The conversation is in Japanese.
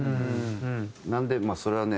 なのでそれはね